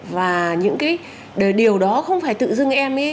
và những cái điều đó không phải tự dưng em ấy